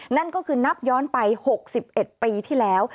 นั่นก็คือนับย้อนไป๖๑ปีที่แล้ว